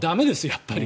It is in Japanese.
やっぱり。